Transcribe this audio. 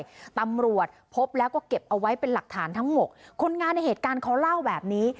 ตำรวจพบแล้วก็เก็บเอาไว้เป็นหลักฐานทั้งหมดคนงานในเหตุการณ์เขาเล่าแบบนี้